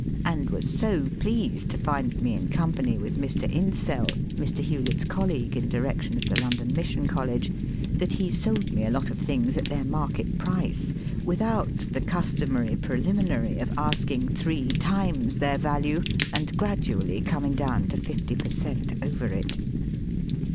229 and was so pleased to find me in Company with Mr. Insell, Mr. Hewlett's colleague in direction of the London Mission College, that he sold me a lot of things at their market price, with out the customary preliminary of asking three times their value, and gradually coming down to fifty per cent, over it.